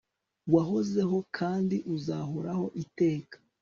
wahozeho kandi uzahoraho iteka